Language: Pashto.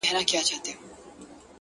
مهرباني د زړونو ژبه ده.!